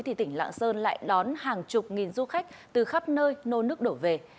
thì tỉnh lạng sơn lại đón hàng chục nghìn du khách từ khắp nơi nô nước đổ về